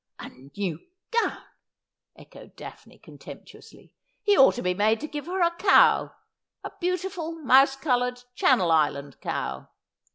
' A new gown,' echoed Daphne contemptuously ;' he ought to be made to give her a cow— a beautiful mouse coloured Channel Island cow.'